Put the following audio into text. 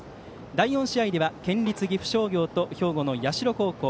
第４試合では県立岐阜商業と兵庫の社高校。